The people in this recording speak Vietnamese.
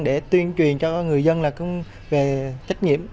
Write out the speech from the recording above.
để tuyên truyền cho người dân về địa bàn